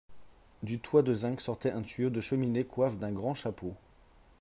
Du toit de zinc sortait un tuyau de cheminée coiffe d'un grand chapeau.